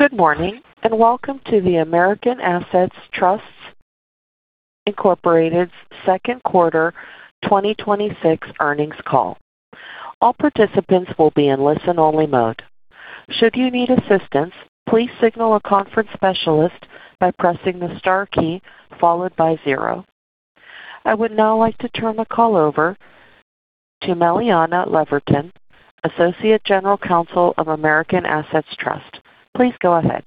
Good morning. Welcome to the American Assets Trust Incorporated's second quarter 2026 earnings call. All participants will be in listen-only mode. Should you need assistance, please signal a conference specialist by pressing the star key followed by zero. I would now like to turn the call over to Meleana Leaverton, Associate General Counsel of American Assets Trust. Please go ahead.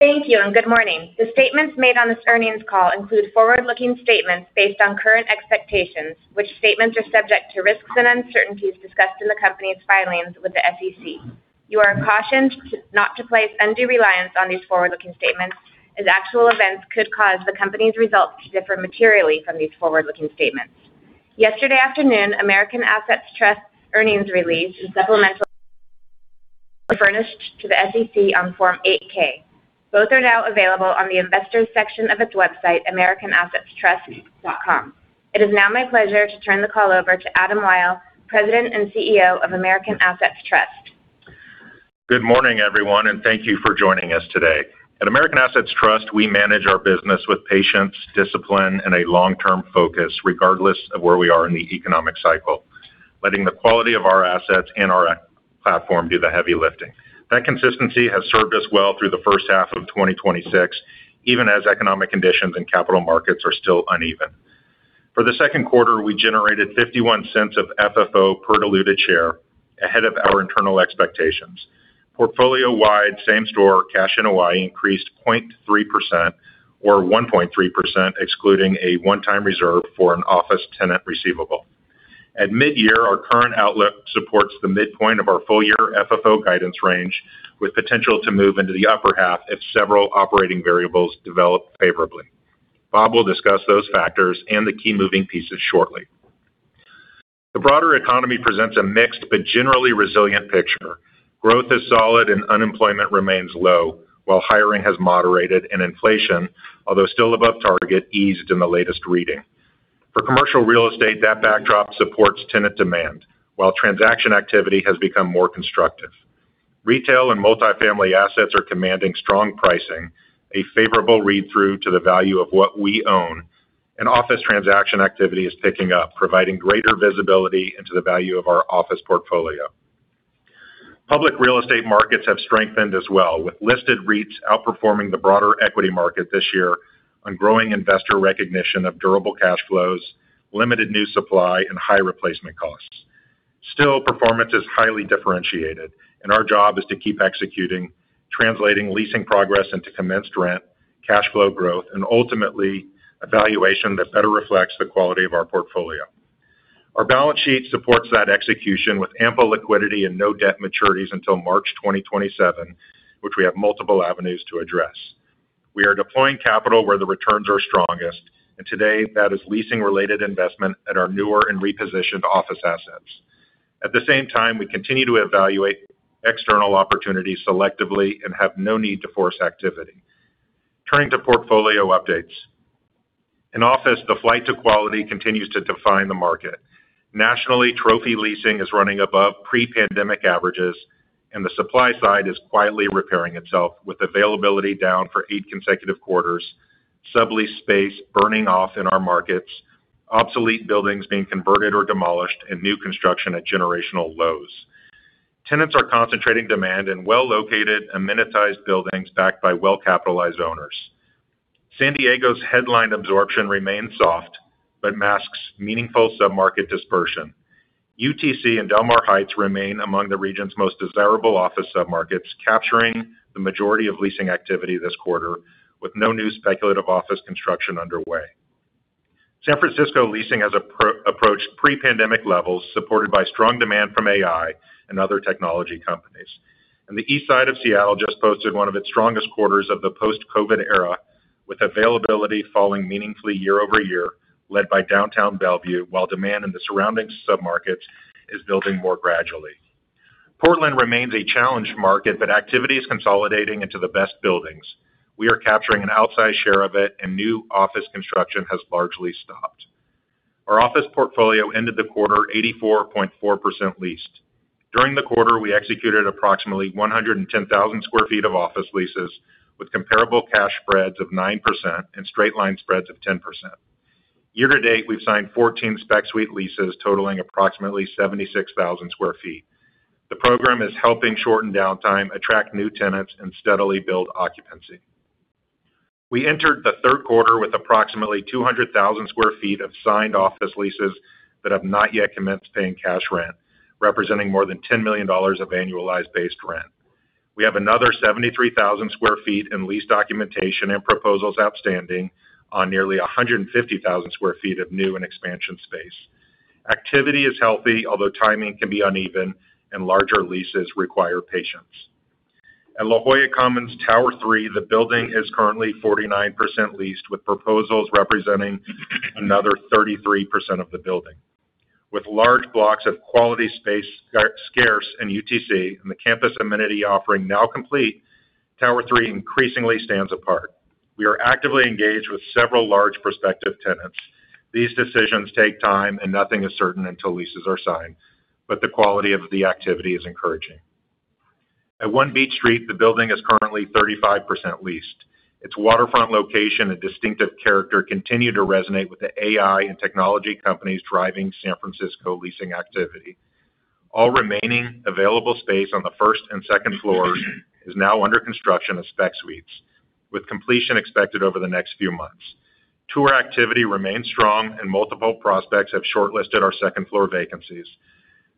Thank you. Good morning. The statements made on this earnings call include forward-looking statements based on current expectations, which statements are subject to risks and uncertainties discussed in the company's filings with the SEC. You are cautioned not to place undue reliance on these forward-looking statements, as actual events could cause the company's results to differ materially from these forward-looking statements. Yesterday afternoon, American Assets Trust earnings release and supplemental furnished to the SEC on Form 8-K. Both are now available on the investors section of its website, americanassetstrust.com. It is now my pleasure to turn the call over to Adam Wyll, President and CEO of American Assets Trust. Good morning, everyone. Thank you for joining us today. At American Assets Trust, we manage our business with patience, discipline, and a long-term focus regardless of where we are in the economic cycle, letting the quality of our assets and our platform do the heavy lifting. That consistency has served us well through the first half of 2026, even as economic conditions and capital markets are still uneven. For the second quarter, we generated $0.51 of FFO per diluted share ahead of our internal expectations. Portfolio-wide same-store cash NOI increased 0.3% or 1.3%, excluding a one-time reserve for an office tenant receivable. At midyear, our current outlook supports the midpoint of our full-year FFO guidance range, with potential to move into the upper half if several operating variables develop favorably. Bob will discuss those factors and the key moving pieces shortly. The broader economy presents a mixed, generally resilient picture. Growth is solid. Unemployment remains low, while hiring has moderated. Inflation, although still above target, eased in the latest reading. For commercial real estate, that backdrop supports tenant demand, while transaction activity has become more constructive. Retail and multifamily assets are commanding strong pricing, a favorable read-through to the value of what we own. Office transaction activity is picking up, providing greater visibility into the value of our office portfolio. Public real estate markets have strengthened as well, with listed REITs outperforming the broader equity market this year on growing investor recognition of durable cash flows, limited new supply, and high replacement costs. Still, performance is highly differentiated. Our job is to keep executing, translating leasing progress into commenced rent, cash flow growth, and ultimately a valuation that better reflects the quality of our portfolio. Our balance sheet supports that execution with ample liquidity and no debt maturities until March 2027, which we have multiple avenues to address. We are at prime capital where the returns are the strongest. Today that is leasing-related investment at our newer and repositioned office assets. At the same time, we continue to evaluate external opportunities selectively and have no need to force activity. Turning to portfolio updates. In office, the flight to quality continues to define the market. Nationally, trophy leasing is running above pre-pandemic averages. The supply side is quietly repairing itself, with availability down for eight consecutive quarters, sublease space burning off in our markets, obsolete buildings being converted or demolished, and new construction at generational lows. Tenants are concentrating demand in well-located, amenitized buildings backed by well-capitalized owners. San Diego's headline absorption remains soft but masks meaningful submarket dispersion. UTC and Del Mar Heights remain among the region's most desirable office submarkets, capturing the majority of leasing activity this quarter, with no new speculative office construction underway. San Francisco leasing has approached pre-pandemic levels, supported by strong demand from AI and other technology companies. On the east side of Seattle just posted one of its strongest quarters of the post-COVID era, with availability falling meaningfully year-over-year, led by downtown Bellevue, while demand in the surrounding submarkets is building more gradually. Portland remains a challenged market. Activity is consolidating into the best buildings. We are capturing an outsized share of it. New office construction has largely stopped. Our office portfolio ended the quarter 84.4% leased. During the quarter, we executed approximately 110,000 sq ft of office leases, with comparable cash spreads of 9% and straight-line spreads of 10%. Year-to-date, we've signed 14 spec suite leases totaling approximately 76,000 sq ft. The program is helping shorten downtime, attract new tenants, and steadily build occupancy. We entered the third quarter with approximately 200,000 sq ft of signed office leases that have not yet commenced paying cash rent, representing more than $10 million of annualized base rent. We have another 73,000 sq ft in lease documentation and proposals outstanding on nearly 150,000 sq ft of new and expansion space. Activity is healthy, although timing can be uneven and larger leases require patience. At La Jolla Commons Tower 3, the building is currently 49% leased, with proposals representing another 33% of the building. With large blocks of quality space scarce in UTC and the campus amenity offering now complete, Tower 3 increasingly stands apart. We are actively engaged with several large prospective tenants. These decisions take time. Nothing is certain until leases are signed, but the quality of the activity is encouraging. At One Beach Street, the building is currently 35% leased. Its waterfront location and distinctive character continue to resonate with the AI and technology companies driving San Francisco leasing activity. All remaining available space on the first and second floors is now under construction as spec suites, with completion expected over the next few months. Tour activity remains strong. Multiple prospects have shortlisted our second-floor vacancies.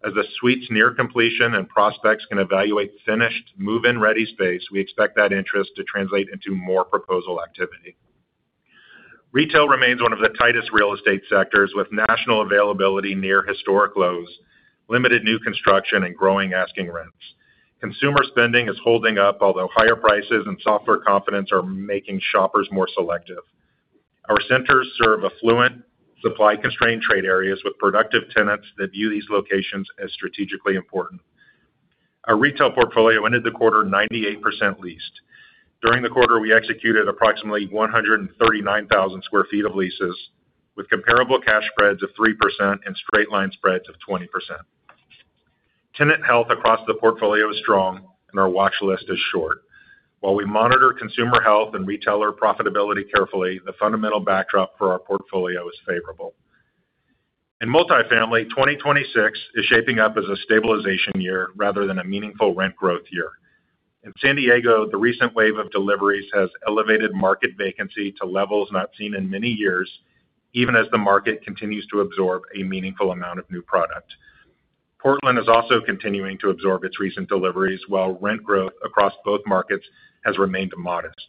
As the suites near completion and prospects can evaluate finished, move-in-ready space, we expect that interest to translate into more proposal activity. Retail remains one of the tightest real estate sectors, with national availability near historic lows, limited new construction, and growing asking rents. Consumer spending is holding up, although higher prices and softer confidence are making shoppers more selective. Our centers serve affluent, supply-constrained trade areas with productive tenants that view these locations as strategically important. Our retail portfolio ended the quarter 98% leased. During the quarter, we executed approximately 139,000 sq ft of leases, with comparable cash spreads of 3% and straight-line spreads of 20%. Tenant health across the portfolio is strong, and our watch list is short. While we monitor consumer health and retailer profitability carefully, the fundamental backdrop for our portfolio is favorable. In multifamily, 2026 is shaping up as a stabilization year rather than a meaningful rent growth year. In San Diego, the recent wave of deliveries has elevated market vacancy to levels not seen in many years, even as the market continues to absorb a meaningful amount of new product. Portland is also continuing to absorb its recent deliveries, while rent growth across both markets has remained modest.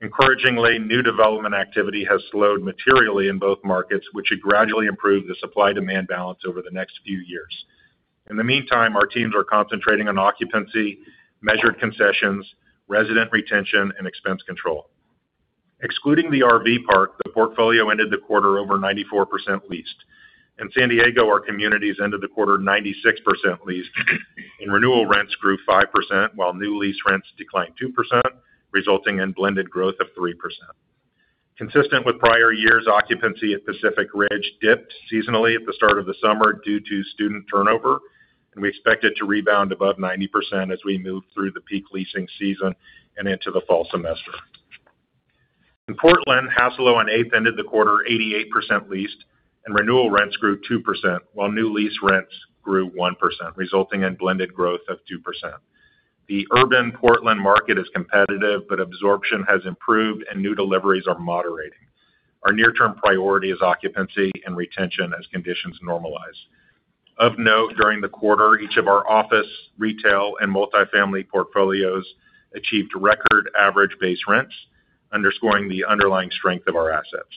Encouragingly, new development activity has slowed materially in both markets, which should gradually improve the supply-demand balance over the next few years. In the meantime, our teams are concentrating on occupancy, measured concessions, resident retention, and expense control. Excluding the RV park, the portfolio ended the quarter over 94% leased. In San Diego, our communities ended the quarter 96% leased, and renewal rents grew 5%, while new lease rents declined 2%, resulting in blended growth of 3%. Consistent with prior years, occupancy at Pacific Ridge dipped seasonally at the start of the summer due to student turnover, and we expect it to rebound above 90% as we move through the peak leasing season and into the fall semester. In Portland, Hassalo on Eighth ended the quarter 88% leased, and renewal rents grew 2%, while new lease rents grew 1%, resulting in blended growth of 2%. The urban Portland market is competitive. Absorption has improved, and new deliveries are moderating. Our near-term priority is occupancy and retention as conditions normalize. Of note, during the quarter, each of our office, retail, and multifamily portfolios achieved record average base rents, underscoring the underlying strength of our assets.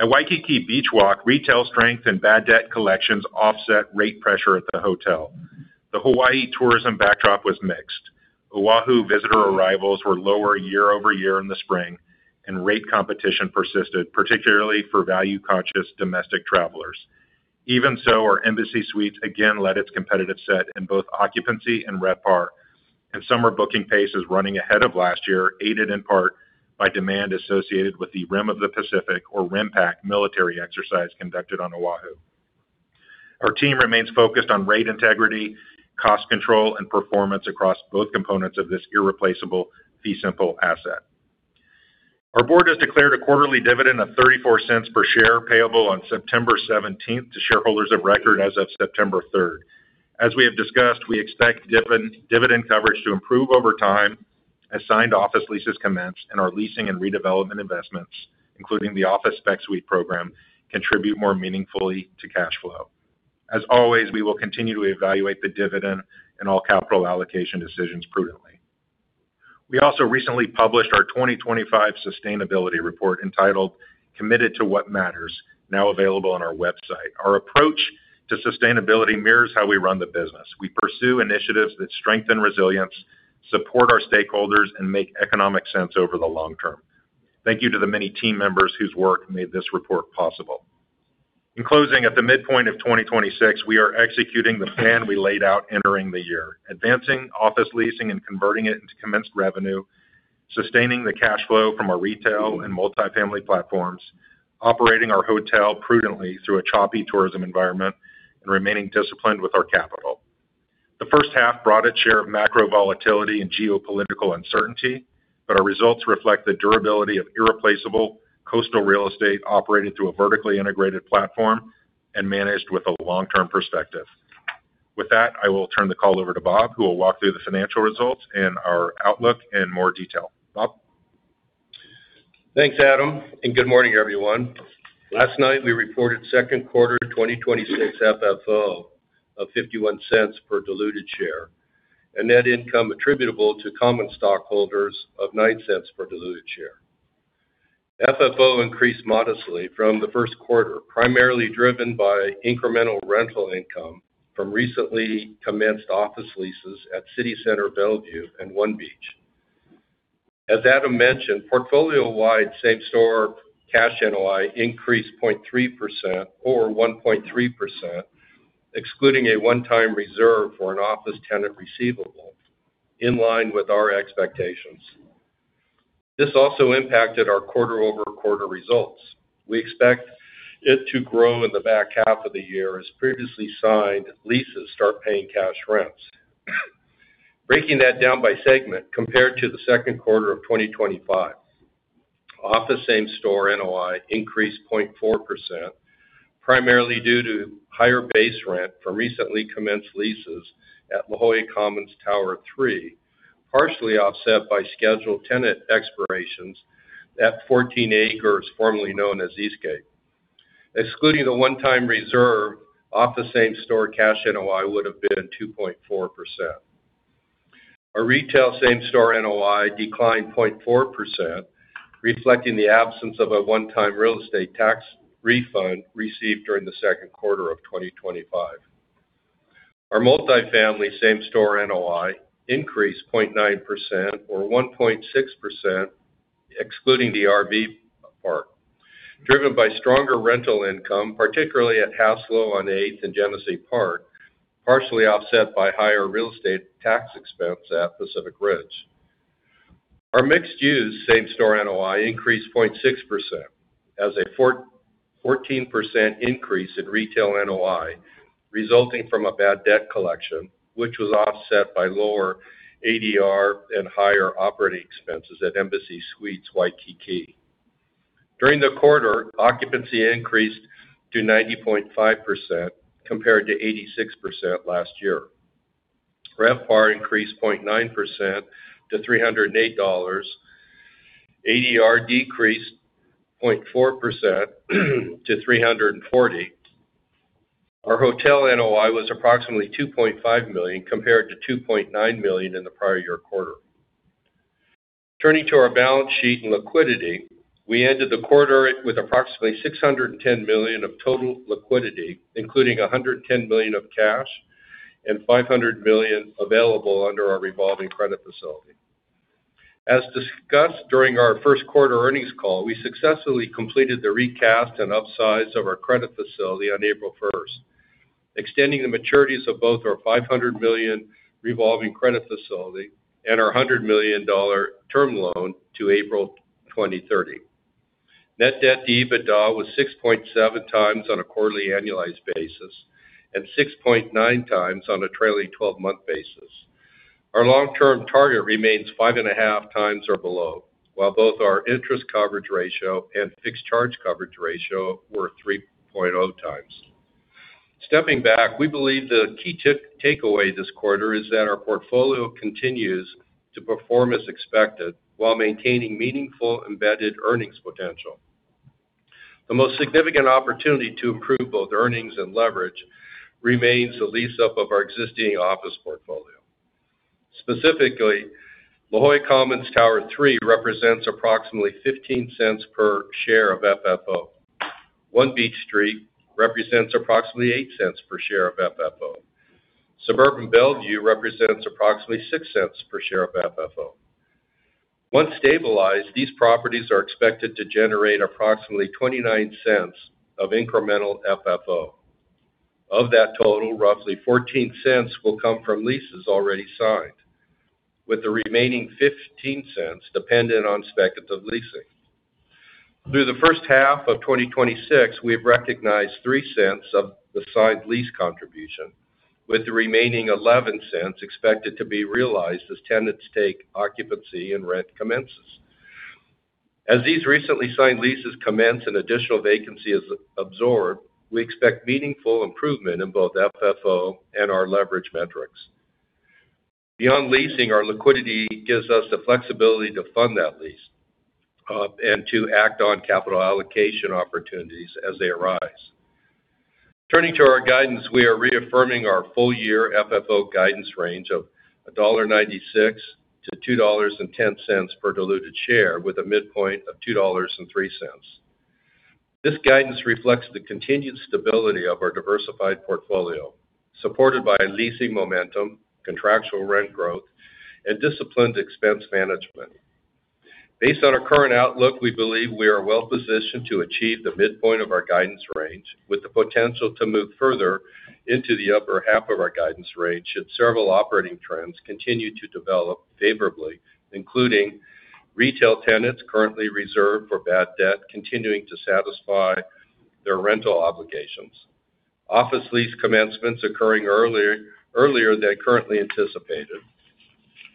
At Waikiki Beach Walk, retail strength and bad debt collections offset rate pressure at the hotel. The Hawaii tourism backdrop was mixed. Oahu visitor arrivals were lower year-over-year in the spring, and rate competition persisted, particularly for value-conscious domestic travelers. Even so, our Embassy Suites again led its competitive set in both occupancy and RevPAR, and summer booking pace is running ahead of last year, aided in part by demand associated with the Rim of the Pacific, or RIMPAC, military exercise conducted on Oahu. Our team remains focused on rate integrity, cost control, and performance across both components of this irreplaceable fee simple asset. Our board has declared a quarterly dividend of $0.34 per share, payable on September 17th to shareholders of record as of September 3rd. As we have discussed, we expect dividend coverage to improve over time as signed office leases commence and our leasing and redevelopment investments, including the office spec suite program, contribute more meaningfully to cash flow. As always, we will continue to evaluate the dividend and all capital allocation decisions prudently. We also recently published our 2025 sustainability report entitled "Committed to What Matters," now available on our website. Our approach to sustainability mirrors how we run the business. We pursue initiatives that strengthen resilience, support our stakeholders, and make economic sense over the long term. Thank you to the many team members whose work made this report possible. In closing, at the midpoint of 2026, we are executing the plan we laid out entering the year. Advancing office leasing and converting it into commenced revenue, sustaining the cash flow from our retail and multifamily platforms, operating our hotel prudently through a choppy tourism environment, and remaining disciplined with our capital. Our results reflect the durability of irreplaceable coastal real estate operated through a vertically integrated platform and managed with a long-term perspective. With that, I will turn the call over to Bob, who will walk through the financial results and our outlook in more detail. Bob? Thanks, Adam. Good morning, everyone. Last night we reported second quarter 2026 FFO of $0.51 per diluted share and net income attributable to common stockholders of $0.09 per diluted share. FFO increased modestly from the first quarter, primarily driven by incremental rental income from recently commenced office leases at City Center Bellevue and One Beach. As Adam mentioned, portfolio-wide same-store cash NOI increased 0.3%, or 1.3% excluding a one-time reserve for an office tenant receivable, in line with our expectations. This also impacted our quarter-over-quarter results. We expect it to grow in the back half of the year as previously signed leases start paying cash rents. Breaking that down by segment compared to the second quarter of 2025. Office same store NOI increased 0.4%, primarily due to higher base rent from recently commenced leases at La Jolla Commons Tower 3, partially offset by scheduled tenant expirations at 14ACRES, formerly known as Eastgate. Excluding the one-time reserve, office same-store cash NOI would've been 2.4%. Our retail same-store NOI declined 0.4%, reflecting the absence of a one-time real estate tax refund received during the second quarter of 2025. Our multifamily same store NOI increased 0.9% or 1.6% excluding the RV park, driven by stronger rental income, particularly at Hassalo on Eighth and Genesee Park, partially offset by higher real estate tax expense at Pacific Ridge. Our mixed-use same-store NOI increased 0.6% as a 14% increase in retail NOI resulting from a bad debt collection, which was offset by lower ADR and higher operating expenses at Embassy Suites Waikiki. During the quarter, occupancy increased to 90.5% compared to 86% last year. RevPAR increased 0.9% to $308. ADR decreased 0.4% to $340. Our hotel NOI was approximately $2.5 million compared to $2.9 million in the prior-year quarter. Turning to our balance sheet and liquidity, we ended the quarter with approximately $610 million of total liquidity, including $110 million of cash and $500 million available under our revolving credit facility. As discussed during our first quarter earnings call, we successfully completed the recast and upsize of our credit facility on April 1st, extending the maturities of both our $500 million revolving credit facility and our $100 million term loan to April 2030. Net debt to EBITDA was 6.7x on a quarterly annualized basis and 6.9x on a trailing 12-month basis. Our long-term target remains 5.5x or below, while both our interest coverage ratio and fixed charge coverage ratio were 3.0x. Stepping back, we believe the key takeaway this quarter is that our portfolio continues to perform as expected while maintaining meaningful embedded earnings potential. The most significant opportunity to improve both earnings and leverage remains the lease-up of our existing office portfolio. Specifically, La Jolla Commons Tower 3 represents approximately $0.15 per share of FFO. One Beach Street represents approximately $0.08 per share of FFO. Suburban Bellevue represents approximately $0.06 per share of FFO. Once stabilized, these properties are expected to generate approximately $0.29 of incremental FFO. Of that total, roughly $0.14 will come from leases already signed, with the remaining $0.15 dependent on speculative leasing. Through the first half of 2026, we have recognized $0.03 of the signed lease contribution, with the remaining $0.11 expected to be realized as tenants take occupancy and rent commences. As these recently signed leases commence and additional vacancy is absorbed, we expect meaningful improvement in both FFO and our leverage metrics. Beyond leasing, our liquidity gives us the flexibility to fund that lease and to act on capital allocation opportunities as they arise. Turning to our guidance, we are reaffirming our full-year FFO guidance range of $1.96-$2.10 per diluted share, with a midpoint of $2.03. This guidance reflects the continued stability of our diversified portfolio, supported by leasing momentum, contractual rent growth, and disciplined expense management. Based on our current outlook, we believe we are well positioned to achieve the midpoint of our guidance range, with the potential to move further into the upper half of our guidance range should several operating trends continue to develop favorably, including retail tenants currently reserved for bad debt continuing to satisfy their rental obligations, office lease commencements occurring earlier than currently anticipated,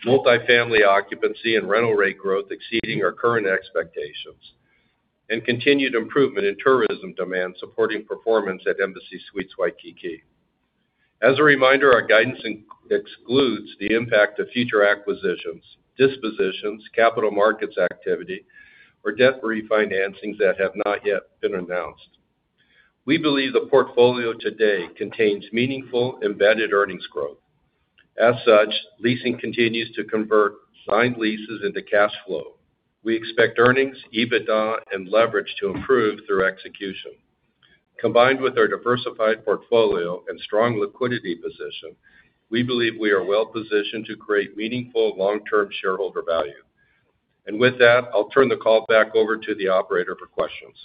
multifamily occupancy and rental rate growth exceeding our current expectations, and continued improvement in tourism demand supporting performance at Embassy Suites Waikiki. As a reminder, our guidance excludes the impact of future acquisitions, dispositions, capital markets activity, or debt refinancings that have not yet been announced. We believe the portfolio today contains meaningful embedded earnings growth. As such, leasing continues to convert signed leases into cash flow. We expect earnings, EBITDA, and leverage to improve through execution. Combined with our diversified portfolio and strong liquidity position, we believe we are well positioned to create meaningful long-term shareholder value. With that, I'll turn the call back over to the operator for questions.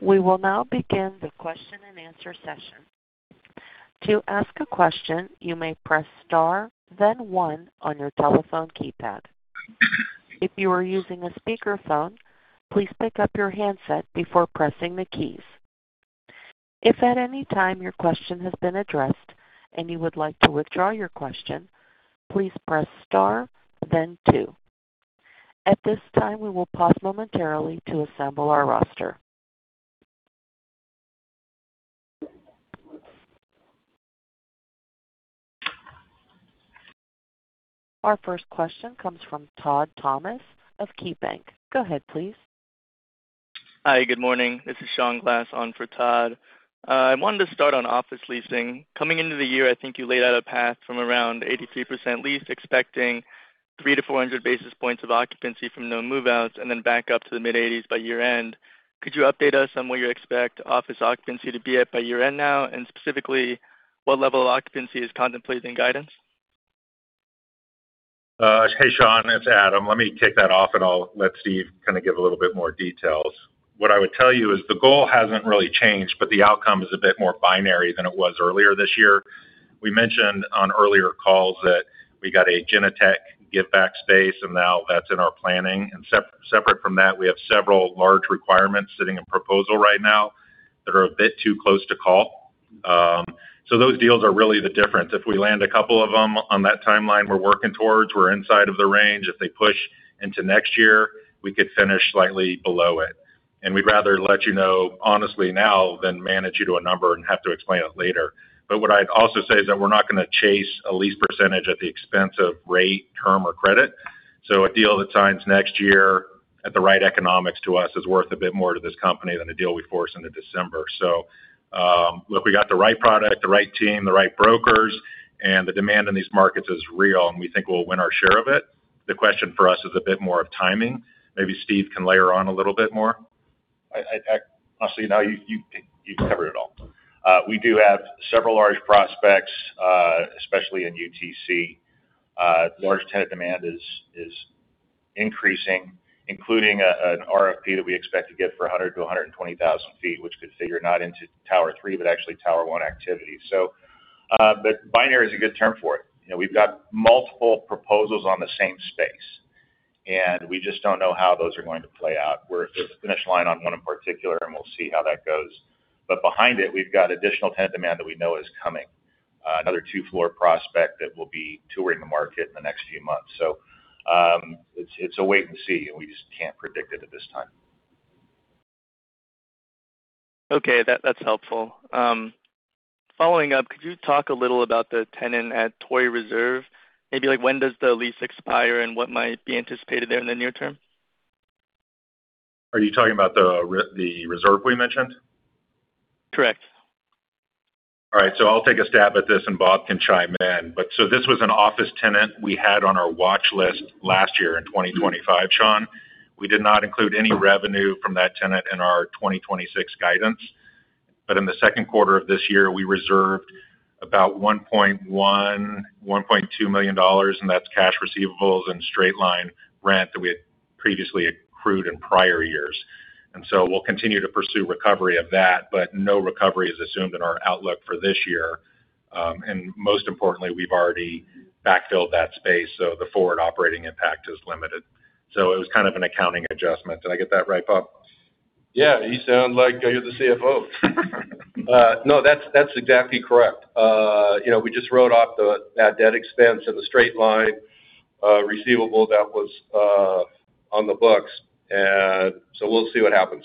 We will now begin the question-and-answer session. To ask a question, you may press star then one on your telephone keypad. If you are using a speakerphone, please pick up your handset before pressing the keys. If at any time your question has been addressed and you would like to withdraw your question, please press star then two. At this time, we will pause momentarily to assemble our roster. Our first question comes from Todd Thomas of KeyBanc. Go ahead, please. Hi, good morning. This is Sean Glass on for Todd. I wanted to start on office leasing. Coming into the year, I think you laid out a path from around 83% lease, expecting 300-400 basis points of occupancy from no move-outs, then back up to the mid-80s by year-end. Could you update us on where you expect office occupancy to be at by year-end now, and specifically, what level of occupancy is contemplated in guidance? Hey, Sean, it's Adam. Let me kick that off; I'll let Steve kind of give a little bit more detail. What I would tell you is the goal hasn't really changed, but the outcome is a bit more binary than it was earlier this year. We mentioned on earlier calls that we got a Genentech give-back space, now that's in our planning. Separate from that, we have several large requirements sitting in proposal right now that are a bit too close to call. Those deals are really the difference. If we land a couple of them on that timeline we're working towards, we're inside of the range. If they push into next year, we could finish slightly below it. We'd rather let you know honestly now than manage you to a number and have to explain it later. What I'd also say is that we're not going to chase a lease percentage at the expense of rate, term, or credit. A deal that signs next year at the right economics to us is worth a bit more to this company than a deal we force into December. Look, we got the right product, the right team, the right brokers, and the demand in these markets is real, and we think we'll win our share of it. The question for us is a bit more of timing. Maybe Steve can layer on a little bit more. I'll say now you covered it all. We do have several large prospects, especially in UTC. Large tenant demand is increasing, including an RFP that we expect to get for 100,000 to 120,000 feet, which could figure not into Tower 3, but actually Tower 1 activity. Binary is a good term for it. We've got multiple proposals on the same space, and we just don't know how those are going to play out. We're at the finish line on one in particular, and we'll see how that goes. Behind it, we've got additional tenant demand that we know is coming. Another two-floor prospect that we'll be touring the market in the next few months. It's a wait-and-see, and we just can't predict it at this time. Okay. That's helpful. Following up, could you talk a little about the tenant at Torrey Reserve? Maybe when does the lease expire, and what might be anticipated there in the near term? Are you talking about the reserve we mentioned? Correct. I'll take a stab at this, and Bob can chime in. This was an office tenant we had on our watch list last year in 2025, Sean. We did not include any revenue from that tenant in our 2026 guidance. In the second quarter of this year, we reserved about $1.1 million, $1.2 million, and that's cash receivables and straight-line rent that we had previously accrued in prior years. We'll continue to pursue recovery of that, but no recovery is assumed in our outlook for this year. Most importantly, we've already backfilled that space, so the forward operating impact is limited. It was kind of an accounting adjustment. Did I get that right, Bob? Yeah. You sound like you're the CFO. That's exactly correct. We just wrote off the bad debt expense and the straight-line receivable that was on the books. We'll see what happens.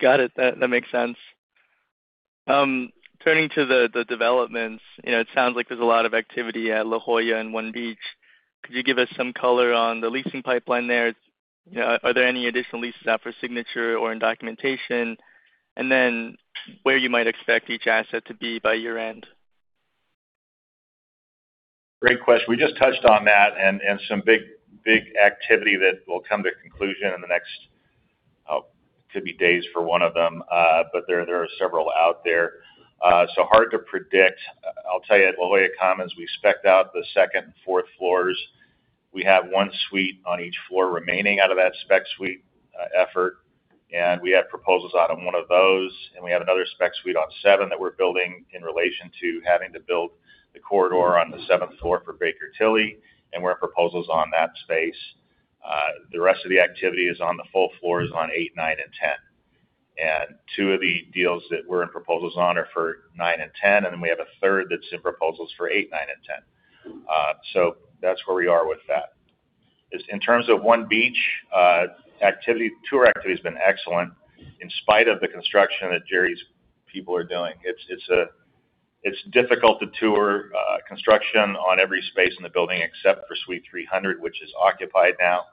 Got it. That makes sense. Turning to the developments, it sounds like there's a lot of activity at La Jolla and One Beach. Could you give us some color on the leasing pipeline there? Are there any additional leases out for signature or in documentation? Where you might expect each asset to be by year-end. Great question. We just touched on that and some big activity that will come to conclusion in the next, could be days for one of them. There are several out there. Hard to predict. I'll tell you, at La Jolla Commons, we spec'd out the second and fourth floors. We have one suite on each floor remaining out of that spec suite effort, and we have proposals out on one of those, and we have another spec suite on seven that we're building in relation to having to build the corridor on the seventh floor for Baker Tilly, and we have proposals on that space. The rest of the activity is on the full floors on eight, nine, and 10. Two of the deals that we're in proposals on are for 9 and 10, then we have a third that's in proposals for eight, nine, and 10. That's where we are with that. In terms of One Beach, tour activity has been excellent in spite of the construction that Jerry's people are doing. It's difficult to tour construction on every space in the building except for Suite 300, which is occupied now.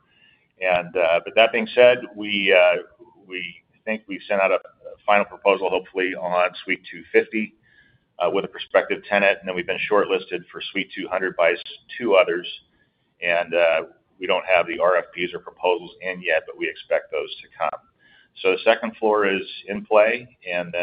That being said, we think we've sent out a final proposal, hopefully, on Suite 250, with a prospective tenant, then we've been shortlisted for Suite 200 by two others. We don't have the RFPs or proposals in yet, but we expect those to come. The second floor is in play, then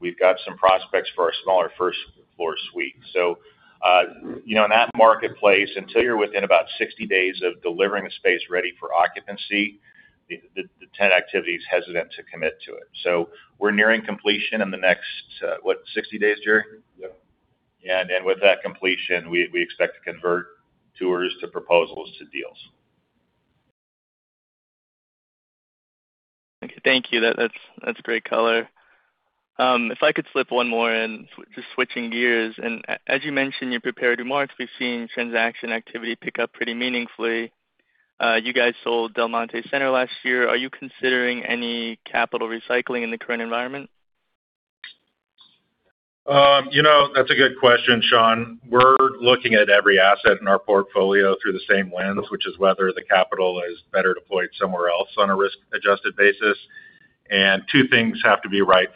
we've got some prospects for our smaller first-floor suite. In that marketplace, until you're within about 60 days of delivering a space ready for occupancy, the tenant activity is hesitant to commit to it. We're nearing completion in the next, what, 60 days, Jerry? Yep. With that completion, we expect to convert tours to proposals to deals. Okay. Thank you. That's great color. If I could slip one more in, just switching gears, as you mentioned, you're prepared to mark. We've seen transaction activity pick up pretty meaningfully. You guys sold Del Monte Center last year. Are you considering any capital recycling in the current environment? That's a good question, Sean. We're looking at every asset in our portfolio through the same lens, which is whether the capital is better deployed somewhere else on a risk-adjusted basis. Two things have to be right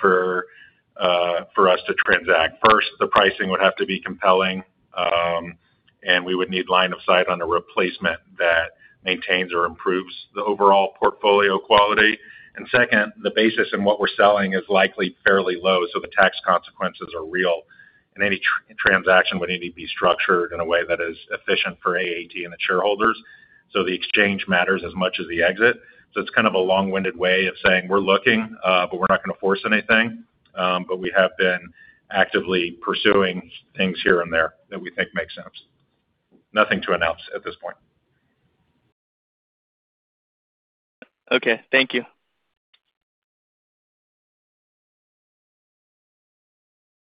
for us to transact. First, the pricing would have to be compelling, and we would need line of sight on a replacement that maintains or improves the overall portfolio quality. Second, the basis in what we're selling is likely fairly low, so the tax consequences are real. Any transaction would need to be structured in a way that is efficient for AAT and the shareholders. The exchange matters as much as the exit. It's kind of a long-winded way of saying we're looking, but we're not going to force anything. We have been actively pursuing things here and there that we think make sense. Nothing to announce at this point. Okay. Thank you.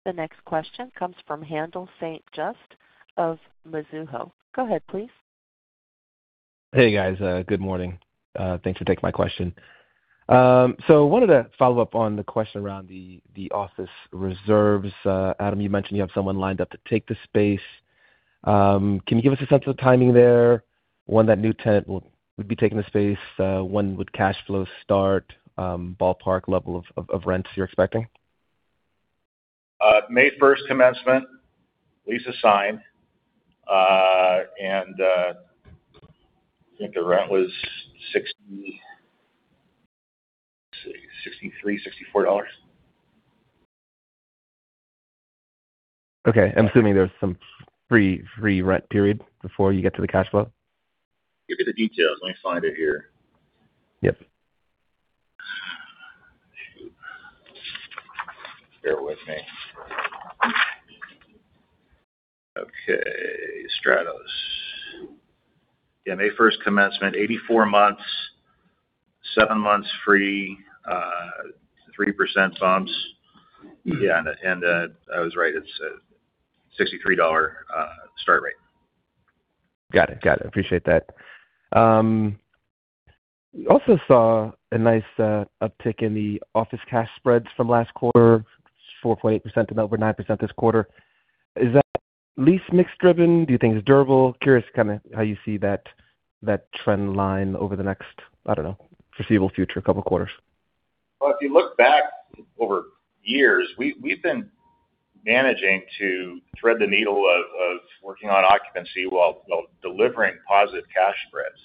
The next question comes from Haendel St. Juste of Mizuho. Go ahead, please. Hey, guys. Good morning. Thanks for taking my question. I wanted to follow up on the question around the office reserves. Adam, you mentioned you have someone lined up to take the space. Can you give us a sense of the timing there, when that new tenant would be taking the space? When would cash flow start? Ballpark level of rents you're expecting? May 1st commencement, lease is signed. I think the rent was $63, $64. Okay. I'm assuming there's some free rent period before you get to the cash flow. Give you the details. Let me find it here. Yep. Bear with me. Okay. Stratos. May 1st commencement, 84 months, seven months free, 3% bumps. I was right, it's a $63 start rate. Got it. Appreciate that. We also saw a nice uptick in the office cash spreads from last quarter, 4.8% to now over 9% this quarter. Is that lease mix driven? Do you think it's durable? Curious kind of how you see that trend line over the next, I don't know, foreseeable future, couple quarters. Well, if you look back over years, we've been managing to thread the needle of working on occupancy while delivering positive cash spreads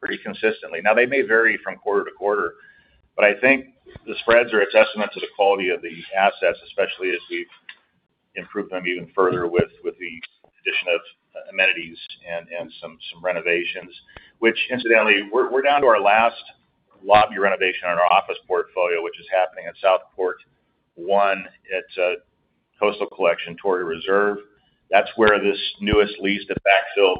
pretty consistently. They may vary from quarter to quarter, but I think the spreads are a testament to the quality of the assets, especially as we've improved them even further with the addition of amenities and some renovations. Incidentally, we're down to our last lobby renovation on our office portfolio, which is happening at Southport One. It's a Coastal Collection, Torrey Reserve. That's where this newest lease to backfill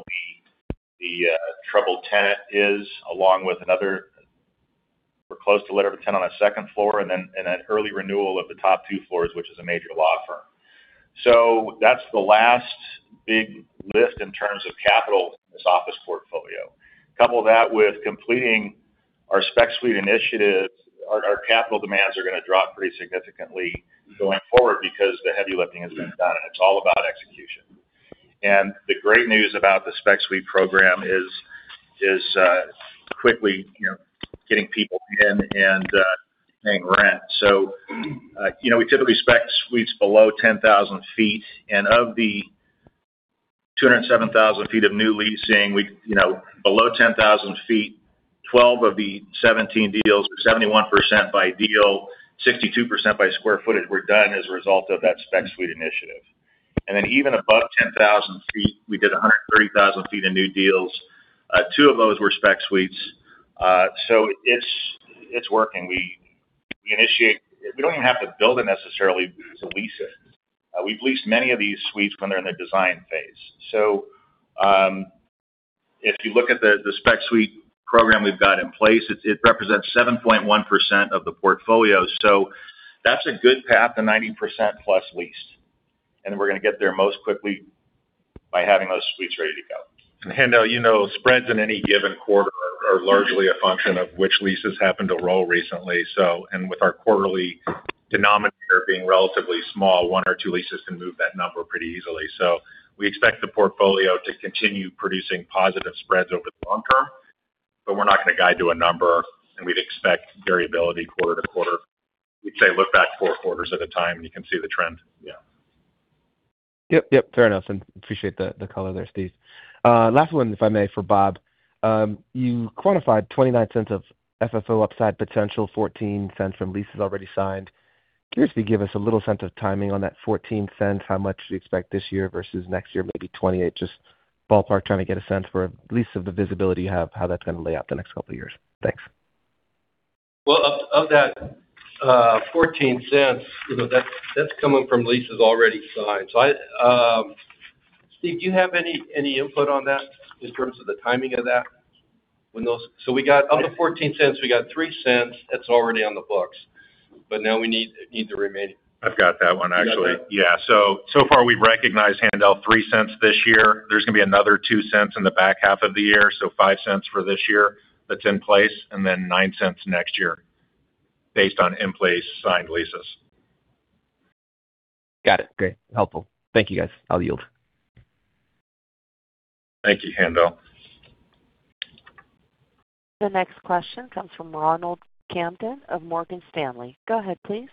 the troubled tenant is, along with We're close to letter of intent on a second floor, and then an early renewal of the top two floors, which is a major law firm. That's the last big lift in terms of capital in this office portfolio. Couple that with completing our spec suite initiative, our capital demands are going to drop pretty significantly going forward because the heavy lifting has been done, and it's all about execution. The great news about the spec suite program is quickly getting people in and paying rent. We typically spec suites below 10,000 ft, and of the 207,000 ft of new leasing, below 10,000 ft, 12 of the 17 deals were 71% by deal, 62% by square footage, were done as a result of that spec suite initiative. Even above 10,000 ft, we did 130,000 ft of new deals. Two of those were spec suites. It's working. We don't even have to build it necessarily to lease it. We've leased many of these suites when they're in the design phase. If you look at the spec suite program we've got in place, it represents 7.1% of the portfolio. That's a good path to 90% plus leased, and we're going to get there most quickly by having those suites ready to go. Haendel, spreads in any given quarter are largely a function of which leases happen to roll recently. With our quarterly denominator being relatively small, one or two leases can move that number pretty easily. We expect the portfolio to continue producing positive spreads over the long term, but we're not going to guide to a number, and we'd expect variability quarter-to-quarter. We'd say look back four quarters at a time, and you can see the trend. Yeah. Yep. Fair enough, appreciate the color there, Steve. Last one, if I may, for Bob. You quantified $0.29 of FFO upside potential, $0.14 from leases already signed. Curious if you could give us a little sense of timing on that $0.14, how much do you expect this year versus next year, maybe 2028, just ballpark, trying to get a sense for at least of the visibility you have, how that's going to lay out the next couple of years. Thanks. Well, of that $0.14, that's coming from leases already signed. Steve, do you have any input on that in terms of the timing of that? Of the $0.14, we got $0.03 that's already on the books, but now we need the remaining. I've got that one, actually. You got that? Yeah. So far, we've recognized, Haendel, $0.03 this year. There's going to be another $0.02 in the back half of the year. Five cents for this year that's in place, and then $0.09 next year based on in-place signed leases. Got it. Great. Helpful. Thank you, guys. I'll yield. Thank you, Haendel. The next question comes from Ronald Kamdem of Morgan Stanley. Go ahead, please.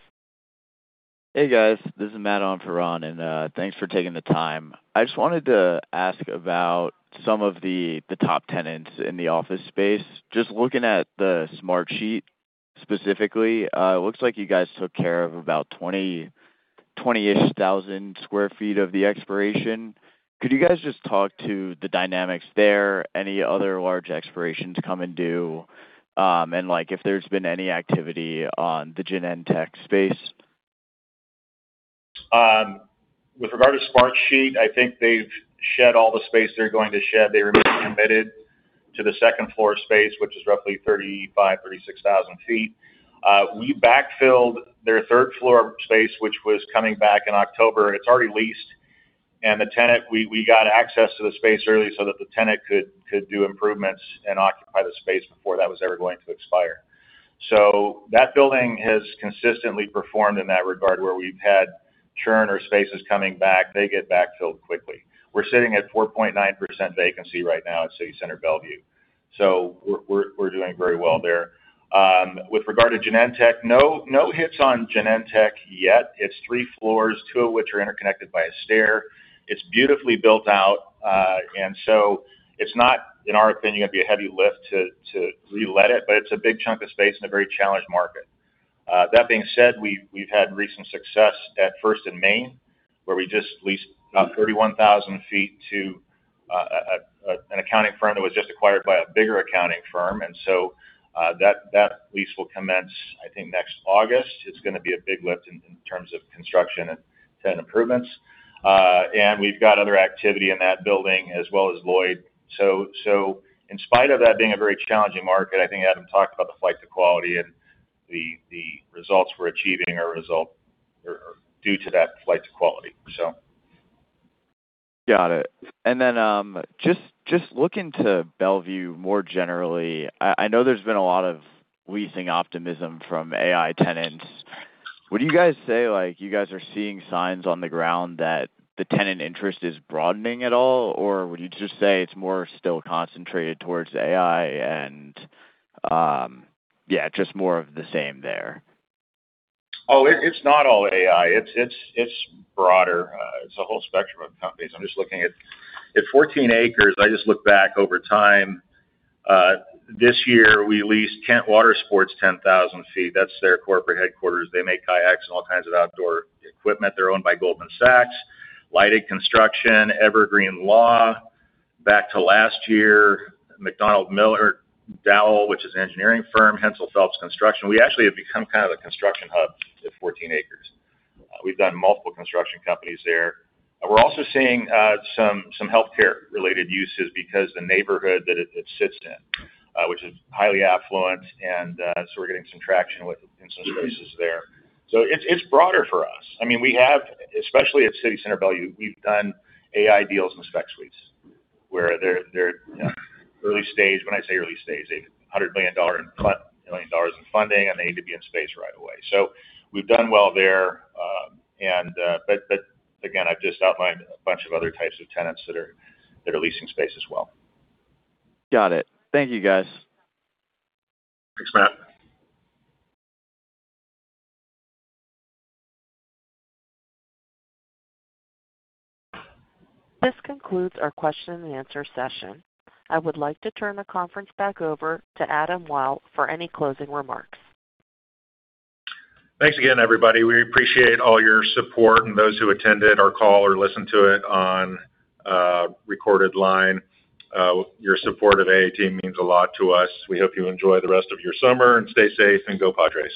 Hey, guys. This is Matt on for Ron. Thanks for taking the time. I just wanted to ask about some of the top tenants in the office space. Just looking at the Smartsheet specifically, it looks like you guys took care of about 20-ish thousand square feet of the expiration. Could you guys just talk to the dynamics there, any other large expirations coming due, and if there's been any activity on the Genentech space? With regard to Smartsheet, I think they've shed all the space they're going to shed. They remain committed to the second-floor space, which is roughly 35,000, 36,000 ft. We backfilled their third-floor space, which was coming back in October. It's already leased. The tenant, we got access to the space early so that the tenant could do improvements and occupy the space before that was ever going to expire. That building has consistently performed in that regard, where we've had churn or spaces coming back. They get backfilled quickly. We're sitting at 4.9% vacancy right now at City Center Bellevue. We're doing very well there. With regard to Genentech, no hits on Genentech yet. It's three floors, two of which are interconnected by a stair. It's beautifully built out. It's not, in our opinion, going to be a heavy lift to relet it, but it's a big chunk of space in a very challenged market. That being said, we've had recent success at First & Main, where we just leased about 31,000 ft to an accounting firm that was just acquired by a bigger accounting firm. That lease will commence, I think, next August. It's going to be a big lift in terms of construction and tenant improvements. We've got other activity in that building as well as Lloyd. In spite of that being a very challenging market, I think Adam talked about the flight to quality, and the results we're achieving are due to that flight to quality. Got it. Just looking to Bellevue more generally, I know there's been a lot of leasing optimism from AI tenants. Would you guys say you guys are seeing signs on the ground that the tenant interest is broadening at all, or would you just say it's still more concentrated towards AI, and just more of the same there? It's not all AI. It's broader. It's a whole spectrum of companies. I'm just looking at 14ACRES. I just look back over time. This year, we leased Kent Outdoors 10,000 ft. That's their corporate headquarters. They make kayaks and all kinds of outdoor equipment. They're owned by Goldman Sachs. Lydig Construction, Evergreen Law. Back to last year, MacDonald-Miller Facility Solutions, which is an engineering firm, Hensel Phelps Construction. We actually have become kind of a construction hub at 14ACRES. We've done multiple construction companies there. We're also seeing some healthcare-related uses because the neighborhood that it sits in, which is highly affluent, we're getting some traction in some spaces there. It's broader for us. Especially at City Center Bellevue, we've done AI deals in spec suites, where they're early stage. When I say early stage, they have $100 million in funding, they need to be in space right away. We've done well there. Again, I've just outlined a bunch of other types of tenants that are leasing space as well. Got it. Thank you, guys. Thanks, Matt. This concludes our question-and-answer session. I would like to turn the conference back over to Adam Wyll for any closing remarks. Thanks again, everybody. We appreciate all your support and those who attended our call or listened to it on recorded line. Your support of AAT means a lot to us. We hope you enjoy the rest of your summer and stay safe, and go Padres.